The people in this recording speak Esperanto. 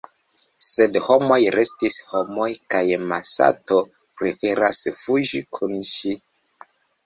Sed “homoj restis homoj kaj Masato preferas fuĝi kun ŝi.